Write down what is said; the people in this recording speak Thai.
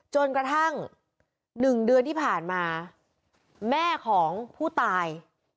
จนกระทั่ง๑เดือนที่ผ่านมาแม่ของผู้ตาย